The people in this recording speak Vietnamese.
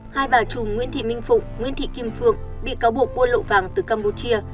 hai bà trùm nguyễn thị minh phụng nguyễn thị kim phượng bị cáo buộc buôn lậu vàng từ campuchia